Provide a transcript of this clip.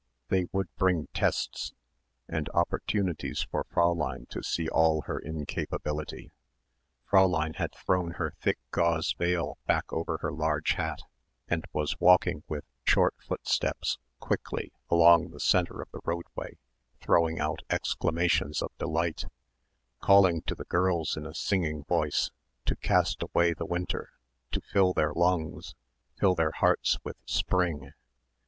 They would bring tests; and opportunities for Fräulein to see all her incapability. Fräulein had thrown her thick gauze veil back over her large hat and was walking with short footsteps, quickly along the centre of the roadway throwing out exclamations of delight, calling to the girls in a singing voice to cast away the winter, to fill their lungs, fill their hearts with spring.